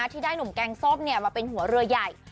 ที่ได้หนุ่มแกงส้มมาเป็นหัวเรือใหญ่